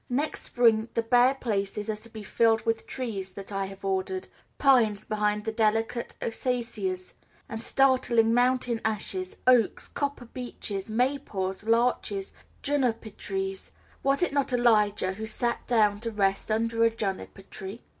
Next spring the bare places are to be filled with trees that I have ordered: pines behind the delicate acacias, and startling mountain ashes, oaks, copper beeches, maples, larches, juniper trees was it not Elijah who sat down to rest under a juniper tree?